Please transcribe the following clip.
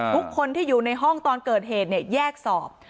ทุกคนที่อยู่ในห้องตอนเกิดเหตุเนี่ยแยกสอบ